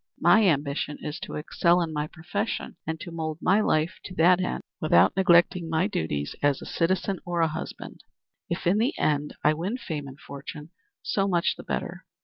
My ambition is to excel in my profession, and to mould my life to that end without neglecting my duties as a citizen or a husband. If, in the end, I win fame and fortune, so much the better.